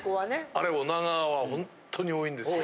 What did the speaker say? あれ女川はほんとに多いんですよ。